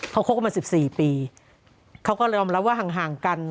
เขาโค้คมาสิบสี่ปีเขาก็เริ่มลับว่าห่างห่างกัน